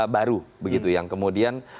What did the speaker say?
baru begitu yang kemudian